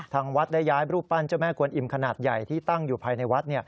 ทางวัดได้ย้ายรูปปั้นเจ้าแม่กวนอิ่มขนาดใหญ่ที่ตั้งอยู่ภายในวัด